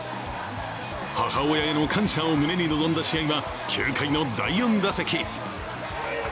母親への感謝を胸に臨んだ試合は９回の第４打席。